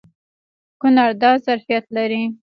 کونړ دا ظرفیت لري.